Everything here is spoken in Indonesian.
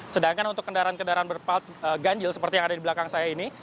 sedangkan untuk kendaraan kendaraan berganjil seperti yang ada di belakang saya ini